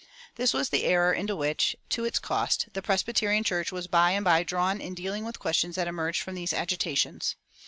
This was the error into which, to its cost, the Presbyterian Church was by and by drawn in dealing with questions that emerged from these agitations.